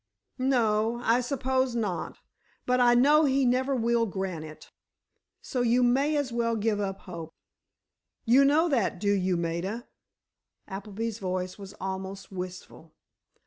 "No; I suppose not. But I know he never will grant it, so you may as well give up hope." "You know that, do you, Maida?" Appleby's voice was almost wistful.